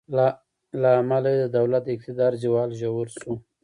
له امله یې د دولت د اقتدار زوال ژور شو.